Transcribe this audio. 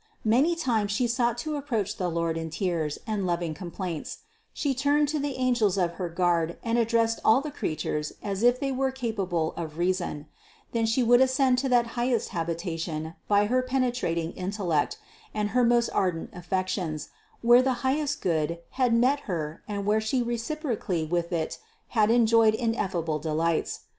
Many times She sought to approach the Lord in tears and loving complaints, She turned to the angels of her guard and addressed all the creatures as if they were capable of reason ; then She would ascend to that highest habitation by her penetrating intellect and her most ardent affections, where the high est Good had met Her and where She reciprocally with It had enjoyed ineffable delights.